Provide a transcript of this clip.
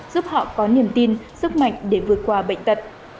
giúp họ có niềm tin sức mạnh để vượt qua bệnh tật